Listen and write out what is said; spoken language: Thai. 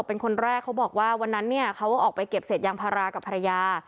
เป็นคนแรกเขาบอกว่าวันนั้นเนี่ยออกไปเก็บเสร็จยำภาร์ากับพระยา